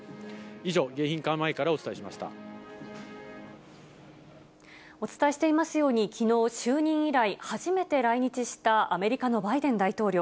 以上、迎賓館前からお伝えしましお伝えしていますように、きのう、就任以来、初めて来日したアメリカのバイデン大統領。